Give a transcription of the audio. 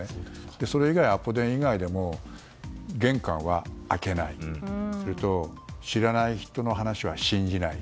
それ以外、アポ電以外でも玄関は開けないそれと知らない人の話は信じない。